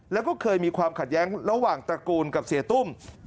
แล้วก็เคยมีความขัดแย้งระหว่างตระกูลกับเสียตุ้ม